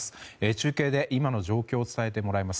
中継で今の状況を伝えてもらいます。